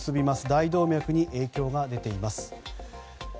大動脈に影響が出ています。